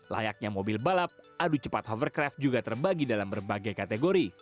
layaknya mobil balap adu cepat hovercraft juga terbagi dalam berbagai kategori